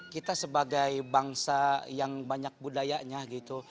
kita sebagai bangsa yang banyak budayanya gitu